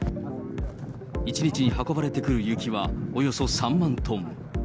１日に運ばれてくる雪はおよそ３万トン。